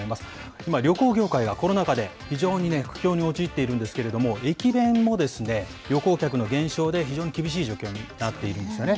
今、旅行業界がコロナ禍で、非常に苦境に陥っているんですけれども、駅弁も、旅行客の減少で非常に厳しい状況になってるんですよね。